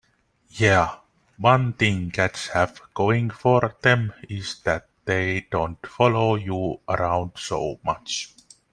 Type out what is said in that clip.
Yeah, one thing cats have going for them is that they don't follow you around so much.